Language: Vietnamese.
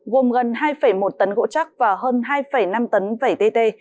gồm gần hai một tấn gỗ chắc và hơn hai năm tấn vẩy tê tê